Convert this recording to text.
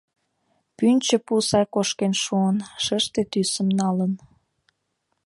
Пӱнчӧ пу сай кошкен шуын, шыште тӱсым налын.